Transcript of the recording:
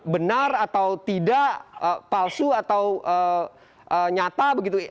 benar atau tidak palsu atau nyata begitu